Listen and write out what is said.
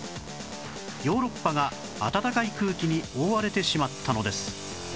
ヨーロッパが暖かい空気に覆われてしまったのです